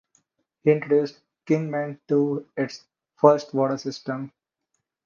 He introduced Kingman to its first water system.